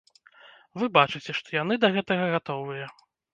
Вы бачыце, што яны да гэтага гатовыя.